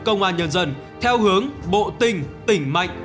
công an nhân dân theo hướng bộ tình tỉnh mạnh